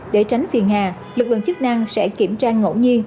để tránh phiền hà lực lượng chức năng sẽ kiểm tra ngộ nhi